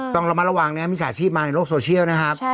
ต้องระมัดระวังนะครับมิจฉาชีพมาในโลกโซเชียลนะครับ